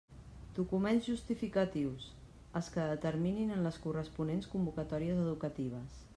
Documents justificatius: els que determinin en les corresponents convocatòries educatives.